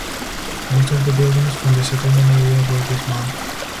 Most of the buildings from the settlement area were dismantled.